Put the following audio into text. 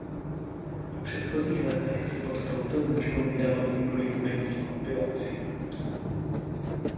V předchozích letech se pod touto značkou vydalo i několik hudebních kompilací.